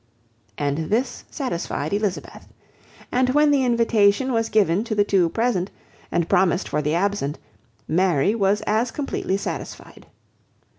And this satisfied Elizabeth: and when the invitation was given to the two present, and promised for the absent, Mary was as completely satisfied.